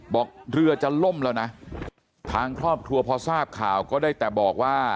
บอกเรือจะล่มแล้วนะทางครอบครัวพอทราบข่าวก็ได้แต่บอกว่า